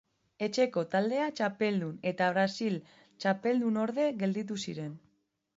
Etxeko taldea txapeldun eta Brasil txapeldunorde gelditu ziren.